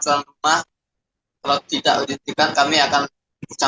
sudah memberikan otomatis